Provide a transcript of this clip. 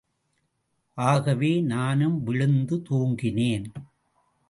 ஆகவே நானும் விழுந்து தூங்கினேன்.